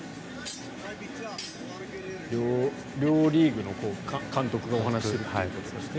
両リーグの監督がお話しするということですね。